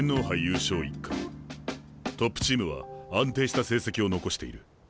トップチームは安定した成績を残している。